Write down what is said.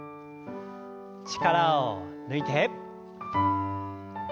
力を抜いて。